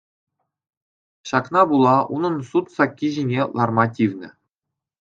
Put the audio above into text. Ҫакна пула унӑн суд сакки ҫине ларма тивнӗ.